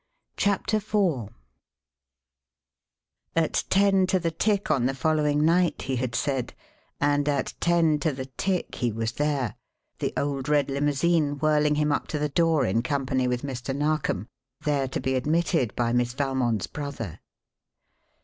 CHAPTER IV At ten to the tick on the following night, he had said, and at ten to the tick he was there the old red limousine whirling him up to the door in company with Mr. Narkom, there to be admitted by Miss Valmond's brother.